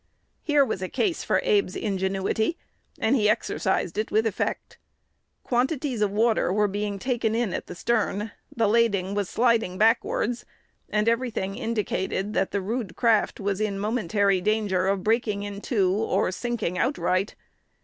Here was a case for Abe's ingenuity, and he exercised it with effect. Quantities of water were being taken in at the stern, the lading was sliding backwards, and every thing indicated that the rude craft was in momentary danger of breaking in two, or sinking outright.